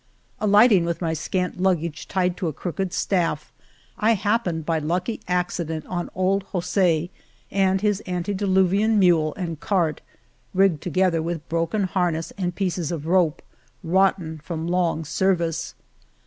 Alighting with my scant luggage tied to a crooked staff, I happened by lucky accident on old Jos6 and his antediluvian mule and cart, rigged together with broken harness and pieces of rope, rotten from long service.